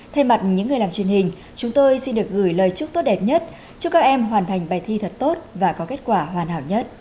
thay mặt những người làm truyền hình chúng tôi xin được gửi lời chúc tốt đẹp nhất cho các em hoàn thành bài thi thật tốt và có kết quả hoàn hảo nhất